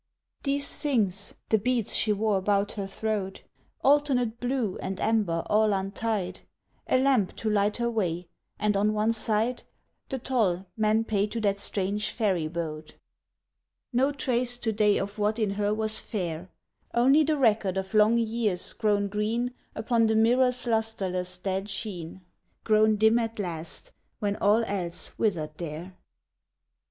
These things the beads she wore about her throat Alternate blue and amber all untied, A lamp to light her way, and on one side The toll men pay to that strange ferry boat. No trace to day of what in her was fair! Only the record of long years grown green Upon the mirror's lustreless dead sheen, Grown dim at last, when all else withered there.